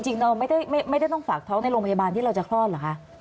จริงเราไม่ได้ต้องฝากท้องในโรงพยาบาลที่เราจะคลอดเหรอคะ